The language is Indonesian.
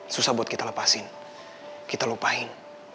susah buat kita lepasin kita lupain